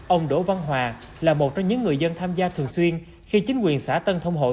ông đỗ văn hòa là một trong những người dân tham gia thường xuyên khi chính quyền xã tân thông hội